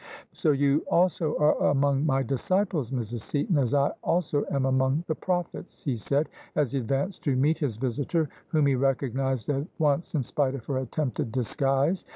" So you also are among my disciples, Mrs. Seaton, as I also am among the prophets?" he said, as he advanced to meet his visitor, whom he recognised at once in spite of her attempted disguise.